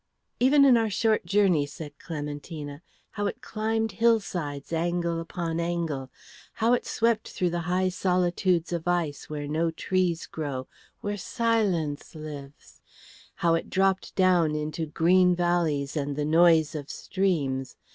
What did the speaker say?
"Even in our short journey," said Clementina, "how it climbed hillsides angle upon angle, how it swept through the high solitudes of ice where no trees grow, where silence lives; how it dropped down into green valleys and the noise of streams!